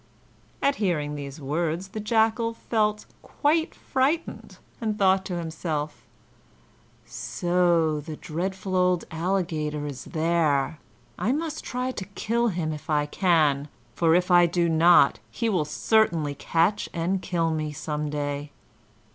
At hearing these words the Jackal felt quite frightened, and thought to himself: "So the dreadful old Alligator is there. I must try to kill him if I can, for if I do not he will certainly catch and kill me some day."